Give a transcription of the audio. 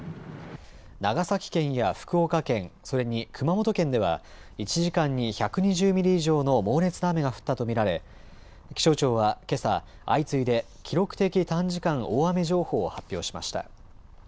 長崎県や福岡県、それに熊本県では１時間に１２０ミリ以上の猛烈な雨が降ったと見られ気象庁はけさ相次いで記録的短時間大雨情報を発表しました。